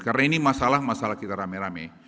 karena ini masalah masalah kita rame rame